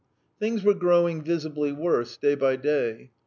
Things were growing visibly worse day by day.